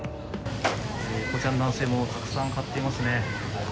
こちらの男性もたくさん買っていますね。